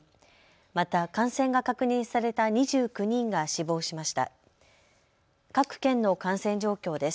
また感染が確認された２９人が死亡しました。